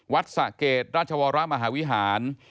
สะเกดราชวรมหาวิหาร